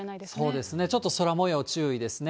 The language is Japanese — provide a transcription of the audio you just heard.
そうですね、ちょっと空もよう、注意ですね。